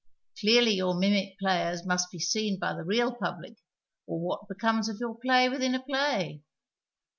Clearly your mimic jjlayers nuist be seen by the real public, or what becomes of your play witliin a play